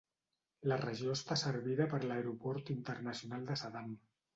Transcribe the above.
La regió està servida per l'aeroport internacional de Saddam.